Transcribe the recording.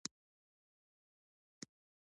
له ځان سره یې وغږېده.